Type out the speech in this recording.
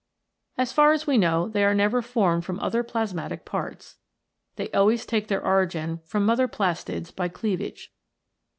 As far as we know, they are never formed from other plasmatic parts. They always take their origin from mother plastids by cleavage.